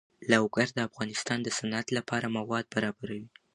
لوگر د افغانستان د صنعت لپاره مواد برابروي.